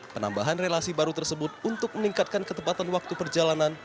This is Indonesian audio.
penambahan relasi baru tersebut untuk meningkatkan ketepatan waktu perjalanan